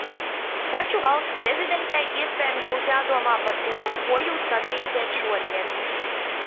Taču Valsts prezidentei, iespējams, būs jādomā par to, ko jūs sadarīsiet šodien.